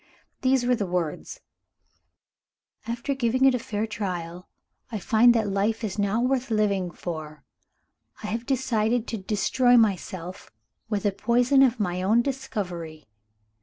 These were the words: 'After giving it a fair trial, I find that life is not worth living for. I have decided to destroy myself with a poison of my own discovery.